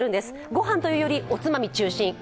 ご飯というより、おつまみ中心。